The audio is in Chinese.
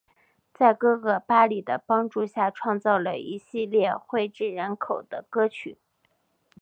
在哥哥巴里的帮助下创作了一系列脍炙人口的歌曲。